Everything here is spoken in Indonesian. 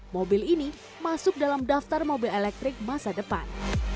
mobil ini masuk dalam daftar mobil elektrik masa depan